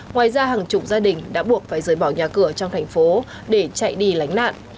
ngoài ra hàng chục gia đình đã buộc phải rời bỏ nhà cửa trong thành phố để chạy đi lánh nạn